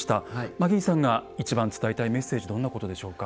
マギーさんが一番伝えたいメッセージどんなことでしょうか？